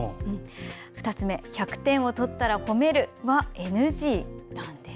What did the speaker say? ２つ目、１００点を取ったら褒めるはＮＧなんです。